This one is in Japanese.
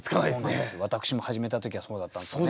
そうなんです私も始めた時はそうだったんですよね。